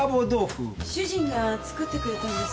主人が作ってくれたんです。